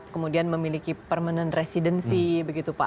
kemudian memiliki permanent residency begitu pak